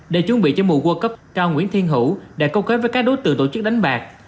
để chuẩn bị cho mùa world cup cao nguyễn thiên hữu đã câu kết với các đối tượng tổ chức đánh bạc